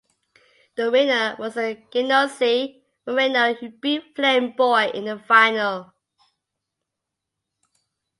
The winner was the genoese Moreno who beat Flam Boy in the final.